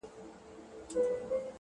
مثبت چلند د شخړو تودوخه کموي